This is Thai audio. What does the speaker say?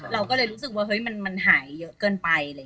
เราก็เลยรู้สึกว่าเฮ้ยมันหายเยอะเกินไป